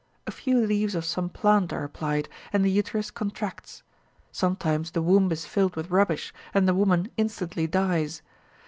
A few leaves of some plant are applied, and the uterus contracts. Sometimes the womb is filled with rubbish, and the woman instantly dies.